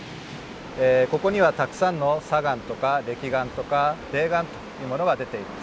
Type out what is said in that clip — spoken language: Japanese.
ここにはたくさんの砂岩とかれき岩とか泥岩というものが出ています。